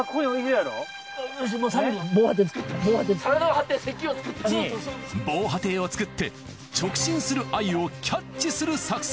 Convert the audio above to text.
よしもう３人で防波堤を作って直進するアユをキャッチする作戦！